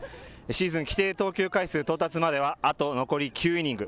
シーズン規定投球回数到達まではあと残り９イニング。